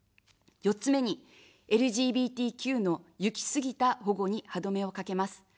４つ目に、ＬＧＢＴＱの行き過ぎた保護に歯止めをかけます。